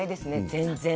全然。